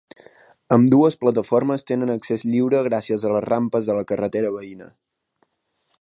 Ambdues plataformes tenen accés lliure gràcies a les rampes de la carretera veïna.